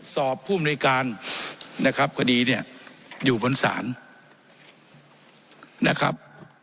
สอบผู้มนุยการนะครับคดีเนี่ยอยู่บนศาลนะครับ